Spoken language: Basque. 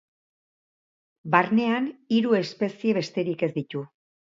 Barnean hiru espezie besterik ez ditu.